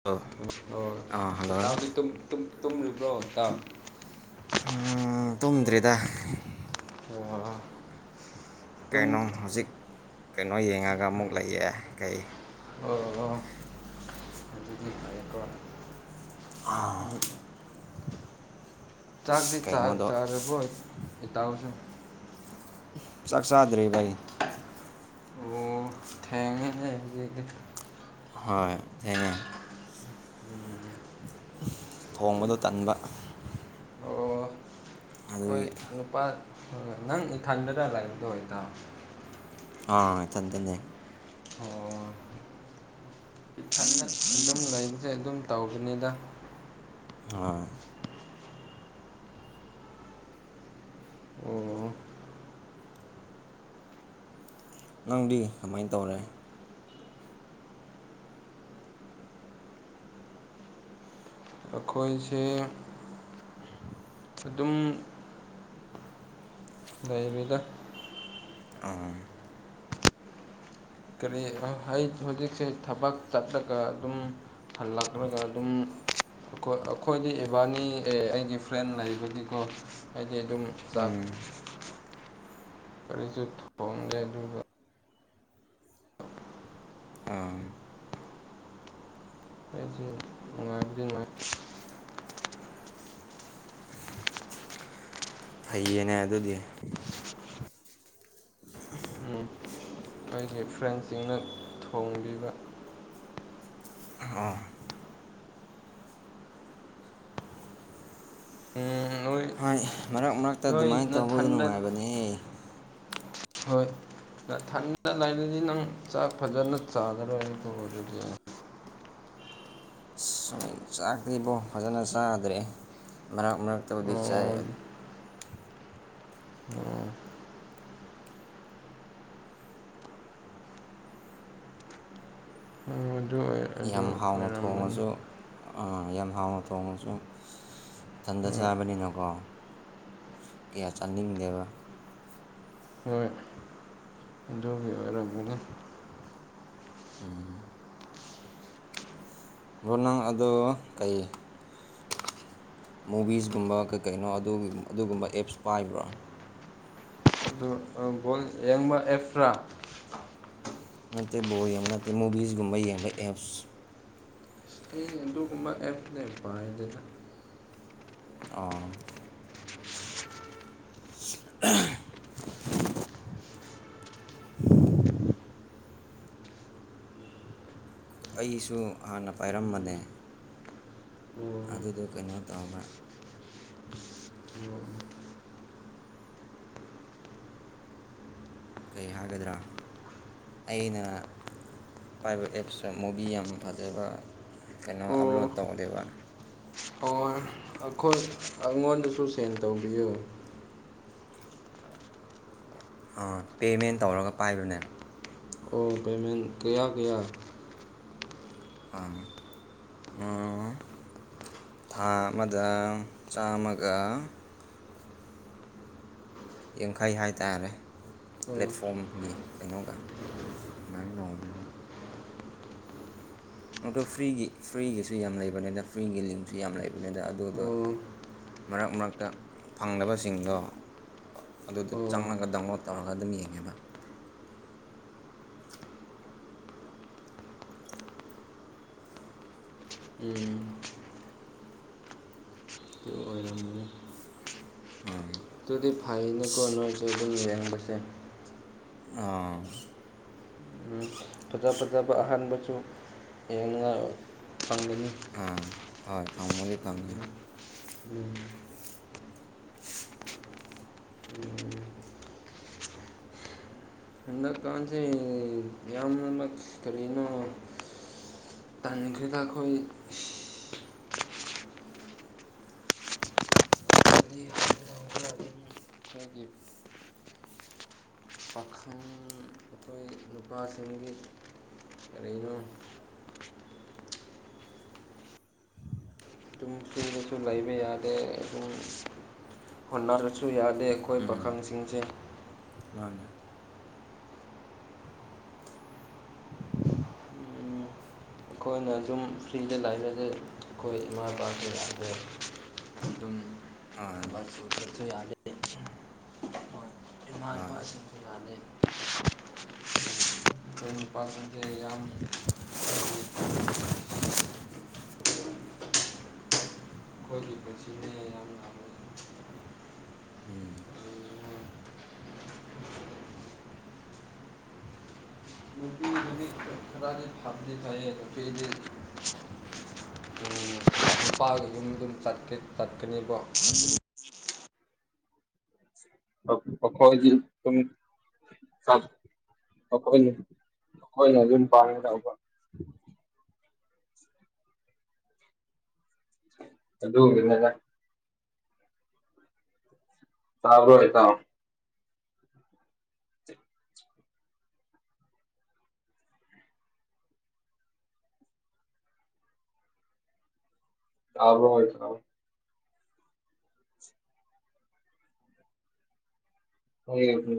ꯑ ꯍ ꯑꯥ ꯍꯜꯂꯣ ꯇꯗꯤ ꯇꯨꯝꯔꯤꯕ꯭ꯔꯣ ꯇꯥ ꯇꯨꯝꯗ꯭ꯔꯤꯗ ꯑꯣ ꯑꯗꯨꯝ ꯀꯩꯅꯣ ꯍꯧꯖꯤꯛ ꯀꯩꯅꯣ ꯌꯦꯡꯉꯒ ꯑꯃꯨꯛ ꯂꯩꯌꯦꯦ ꯀꯩ ꯑꯣ ꯍꯀ ꯆꯥꯛꯇꯤ ꯆꯥꯛ ꯀꯩꯅꯣꯗꯣ ꯆꯥꯔꯕꯣꯏ ꯏꯇꯥꯎꯁ ꯆꯥꯛꯆꯥꯗ꯭ꯔꯕꯩ ꯑꯣ ꯊꯦꯡꯉꯦ ꯍꯣꯏ ꯊꯦꯡꯉꯦ ꯎꯝ ꯊꯣꯡꯕꯗꯣ ꯇꯟꯕ ꯑꯩꯈꯣꯏ ꯑꯗꯨꯒꯤ ꯅꯨꯄꯥ ꯍꯣꯏ ꯅꯪ ꯏꯊꯟꯗꯅ ꯂꯥꯏꯗꯣ ꯏꯗ ꯑꯥ ꯊꯅꯤ ꯇꯟꯅꯦ ꯑꯣ ꯏꯊꯗ ꯑꯗꯨꯝ ꯂꯩꯕꯁꯦ ꯑꯗꯨꯝ ꯇꯧꯕꯅꯤꯗ ꯑꯣꯏ ꯑꯣ ꯅꯪꯗꯤ ꯀꯃꯥꯏꯅ ꯇꯧꯔꯦ ꯑꯩꯈꯣꯏꯁꯦ ꯑꯗꯨꯝ ꯅꯩꯕꯤꯗ ꯑ ꯀꯔꯤ ꯍꯧꯖꯤꯛꯁꯦ ꯊꯕꯛ ꯆꯠꯂꯒ ꯑꯗꯨꯝ ꯍꯜꯂꯛꯇ꯭ꯔꯒ ꯑꯗꯨꯝ ꯑꯩꯈꯣꯏꯗꯤ ꯏꯕꯥꯅꯤ ꯑꯦ ꯑꯩꯒꯤ ꯐ꯭ꯔꯦꯟ ꯂꯩꯕꯒꯤꯀꯣ ꯑꯗꯨꯝ ꯆꯥꯛ ꯀꯔꯤꯁꯨ ꯊꯣꯡꯒꯦ ꯑꯗꯨ ꯑꯥ ꯑꯩ ꯅꯨꯡꯉꯥ ꯑꯗꯨꯃꯥꯏ ꯐꯩꯌꯦꯅꯦ ꯑꯗꯨꯗꯤ ꯎꯝ [unintelligible] ꯑꯩꯒꯤ ꯐ꯭ꯔꯦꯟꯁꯤꯡꯅ ꯊꯣꯡꯕꯤꯕ ꯑꯣ ꯎꯝ ꯅꯣꯏ ꯍꯣꯏ ꯃꯔꯛ ꯃꯔꯛꯇ ꯅꯣꯏ ꯑꯗꯨꯃꯥꯏꯅ ꯇꯧꯕꯗꯣ ꯅꯊꯟꯗ ꯅꯨꯡꯉꯥꯏꯕꯅꯦꯍ ꯍꯣꯏ ꯅꯊꯟꯗ ꯂꯩꯔꯗꯤ ꯅꯪ ꯆꯥꯛ ꯐꯖꯅ ꯆꯥꯒꯔꯣꯏꯀꯣ ꯑꯗꯨꯗꯤ ꯁꯨꯝ ꯆꯥꯛꯇꯕꯣ ꯐꯖꯅ ꯆꯥꯗ꯭ꯔꯦ ꯃꯔꯛ ꯃꯔꯛꯇꯕꯨꯗꯤ ꯑꯣ ꯆꯥꯏ ꯑꯣ ꯑꯗꯨ ꯑꯗꯨ ꯌꯥꯝ ꯍꯥꯎꯅ ꯑꯣꯏꯔꯝꯒꯅꯤ ꯊꯣꯡꯉꯁꯨ ꯌꯥꯝ ꯍꯥꯎꯅ ꯊꯣꯡꯉꯁꯨ ꯏꯊꯟꯗ ꯍꯣꯏ ꯆꯥꯕꯅꯤꯅꯀꯣ ꯀꯌꯥ ꯆꯥꯅꯤꯡꯗꯦꯕ ꯍꯣꯏ ꯑꯗꯨꯒꯤ ꯑꯣꯏꯔꯝꯒꯅꯤ ꯎꯝ ꯅꯪ ꯑꯗꯨꯗꯣ ꯀꯩ ꯃꯨꯚꯤꯁꯒꯨꯝꯕ ꯀꯩ ꯀꯩꯅꯣ ꯑꯗꯨꯒꯨꯝꯕ ꯑꯦꯞꯁ ꯄꯥꯏꯕ꯭ꯔꯥ ꯒꯣꯜ ꯌꯦꯡꯕ ꯑꯦꯐ꯭ꯔꯥ ꯅꯠꯇꯦ ꯕꯣ ꯌꯦꯡꯕ ꯅꯠꯇꯦ ꯃꯨꯚꯤꯁꯒꯨꯝꯕ ꯌꯦꯡꯕ ꯑꯦꯞꯁ ꯎꯃ ꯑꯦꯐꯅꯦ ꯄꯥꯏꯗꯅ ꯑ [unintelligible] ꯑꯩꯁꯨ ꯍꯥꯟꯅ ꯄꯥꯏꯔꯝꯕꯅꯦ ꯑꯣ ꯑꯗꯨꯗ ꯀꯩꯅꯣ ꯇꯧꯕ ꯀꯩ ꯍꯥꯏꯒꯗ꯭ꯔꯥ ꯑꯩꯅ ꯄꯥꯏꯕ ꯑꯦꯞꯁꯇ ꯃꯨꯚꯤ ꯌꯥꯝ ꯐꯖꯕ ꯀꯩꯅꯣ ꯑꯣ ꯑꯞꯂꯣꯗ ꯇꯧꯔꯦꯕ ꯍꯣꯏ ꯑꯩꯈꯣꯏ ꯑꯩꯉꯣꯟꯗꯁꯨ ꯁꯦꯟ ꯇꯧꯕꯤꯌꯨ ꯄꯦꯃꯦꯟ ꯇꯧꯔꯒ ꯄꯥꯏꯕꯅꯦ ꯑꯣ ꯄꯦꯃꯦꯟ ꯀꯌꯥ ꯀꯌꯥ ꯑꯥ ꯑꯣ ꯊꯥ ꯑꯃꯗ ꯆꯥꯝꯃꯒ ꯌꯥꯡꯈꯩ ꯍꯥꯏꯇꯥꯥꯔꯦ ꯑꯣ ꯄ꯭ꯂꯦꯠꯐꯣꯝꯒꯤ ꯀꯩꯅꯣꯒ ꯃ ꯂꯣꯡꯕꯤ ꯑ ꯐ꯭ꯔꯤꯒꯤ ꯐ꯭ꯔꯤꯒꯤꯁꯨ ꯌꯥꯝ ꯂꯩꯕꯅꯤꯅ ꯐ꯭ꯔꯤꯒꯤ ꯂꯤꯡꯁꯨ ꯌꯥꯝ ꯂꯩꯕꯅꯤꯗ ꯑꯗꯨꯗꯣ ꯑꯣ ꯃꯔꯛ ꯃꯔꯛꯇ ꯐꯪꯗꯕꯁꯤꯡꯗꯣ ꯑꯗꯨꯗꯣ ꯑꯣ ꯆꯪꯉꯒ ꯗꯥꯎꯟꯂꯣꯠ ꯇꯧꯔꯒ ꯑꯗꯨꯝ ꯌꯦꯡꯉꯦꯕ ꯎꯝ ꯑꯗꯨ ꯑꯣꯏꯔꯝꯒꯅꯤ ꯎꯝ ꯑꯗꯨꯗꯤ ꯐꯥꯏꯅꯤ ꯀꯣꯔꯅꯁꯕꯨ ꯃꯤꯔꯕꯁꯦ ꯑꯥ ꯎꯝ ꯐꯖ ꯐꯖꯕ ꯑꯍꯥꯟꯕꯁꯨ ꯌꯦꯡꯉꯥꯏ ꯐꯪꯒꯅꯤ ꯐꯥꯡꯃꯅꯤ ꯐꯥꯡꯤ ꯎꯝ ꯍꯟꯗꯛꯀꯥꯟꯁꯦ ꯌꯥꯝꯅꯃꯛ ꯀꯔꯤꯅꯣ ꯇꯅꯤꯈꯣꯏꯗ ꯑꯩꯈꯣꯏ ꯍꯒꯤ ꯄꯈꯥꯟ ꯑꯩꯈꯣꯏ ꯅꯨꯄꯥꯁꯤꯡꯒꯤ ꯑꯣ ꯑꯗꯨꯝ ꯆꯕꯁꯨ ꯂꯩꯕ ꯌꯥꯗꯦ ꯑꯗꯨꯝ ꯍꯣꯠꯅꯔꯁꯨ ꯌꯥꯗꯦ ꯑꯩꯈꯣꯏ ꯄꯥꯈꯪꯁꯤꯡꯁꯦ ꯃꯥꯅꯦ ꯑꯩꯈꯣꯏꯅ ꯁꯨꯝ ꯐ꯭ꯔꯤꯗ ꯂꯥꯛꯏꯕꯁꯦ ꯑꯩꯈꯣꯏ ꯏꯃꯥ ꯏꯄꯥ ꯀꯌꯥꯗ ꯑꯗꯨ ꯑꯗꯨꯝ ꯊ ꯁꯁꯨ ꯑ ꯏꯃꯥ ꯏꯄꯥꯁꯤꯡꯁꯨ ꯌꯥꯅꯩ ꯑꯩꯈꯣꯏ ꯅꯨꯄꯥꯁꯤꯡꯁꯦ ꯌꯥꯝ ꯑꯩꯈꯣꯏꯒꯤ ꯑꯩꯈꯣꯏꯒꯤ ꯄꯨꯟꯁꯤꯅꯦ ꯌꯥꯝ ꯍꯥꯡꯦ ꯌ ꯈꯔ ꯊꯗꯤ ꯅꯨꯄꯥꯒ ꯌꯨꯝ ꯑꯗꯨꯝꯀ ꯆꯠꯀꯅꯦꯕꯣ ꯄꯈꯗꯤ ꯆ ꯑꯩꯈꯣꯏꯅ ꯑꯩꯈꯣꯏꯅ ꯑꯗꯨꯝ ꯄꯥꯉ ꯂꯧꯕ ꯑꯗꯨꯗ ꯆꯕ꯭ꯔꯣ ꯍꯥꯏꯀ ꯌꯥꯕ꯭ꯔꯣ ꯑꯣꯏ ꯊ ꯎ ꯎ